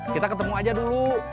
kita ketemu aja dulu